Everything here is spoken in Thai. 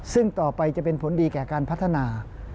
ซึ่งต่อไปจะเป็นผลดีแก่การพัฒนา